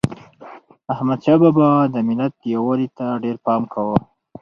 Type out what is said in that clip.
احمدشاه بابا د ملت یووالي ته ډېر پام کاوه.